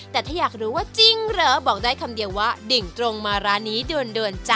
แต่ถ้าอยากรู้ว่าจริงเหรอบอกได้คำเดียวว่าดิ่งตรงมาร้านนี้ด่วนจ้ะ